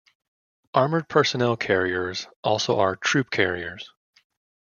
Armoured personnel carriers also are troop carriers.